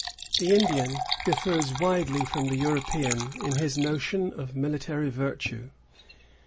The Indian differs widely from the European in his notion of military virtue.